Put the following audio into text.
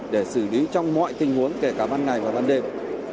để xử lý trong mọi tình huống kể cả ban ngày và ban đêm